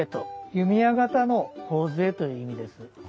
弓矢型の頬杖という意味です。